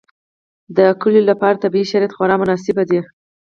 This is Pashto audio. د کلیو لپاره طبیعي شرایط خورا مناسب دي.